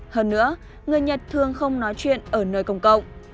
hơn nữa người nhật thường không nói chuyện ở nơi công cộng